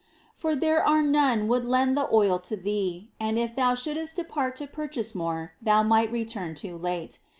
For there are none would lend the oil to thee, And if thou shouldst depart to purchase more Thou might return too late.